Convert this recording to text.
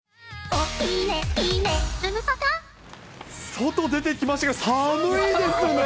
外出てきましたけれども、寒いですね。